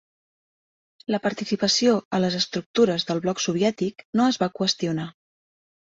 La participació a les estructures del Bloc soviètic no es va qüestionar.